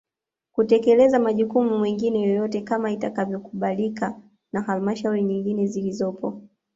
Kutekeleza majukumu mengine yoyote kama itakavyokubalika na Halmashauri nyingine zilizopo